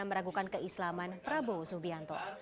meragukan keislaman prabowo subianto